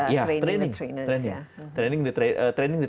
jadi training ya